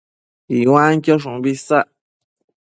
Iuaquiosh umbi isac